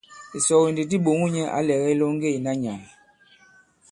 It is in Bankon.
Ìsɔge ndi di ɓòŋo nyɛ̄ ǎ lɛ̀gɛ ilɔŋge ìna nyàà.